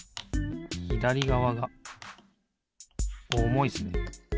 ひだりがわがおもいですね。